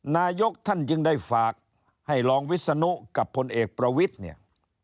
นายกท่านจึงได้ฝากให้รองวิศนุกับพลเอกประวิทย์เนี่ย